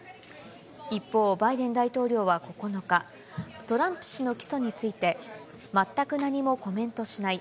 一方、バイデン大統領は９日、トランプ氏の起訴について、全く何もコメントしない。